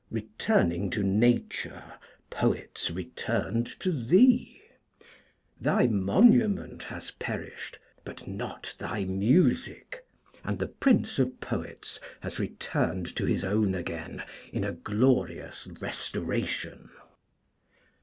Returning to Nature, poets returned to thee. Thy monument has perished, but not thy music, and the Prince of Poets has returned to his own again in a glorious Restoration.